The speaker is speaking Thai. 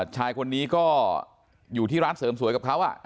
ชายคนนี้ก็อยู่ที่ร้านเสริมสวยกับเขา